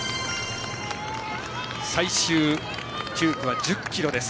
最終９区は１０ｋｍです。